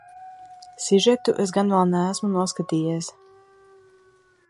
Sižetu es gan vēl neesmu noskatījies.